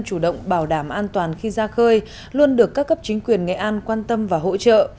chủ động bảo đảm an toàn khi ra khơi luôn được các cấp chính quyền nghệ an quan tâm và hỗ trợ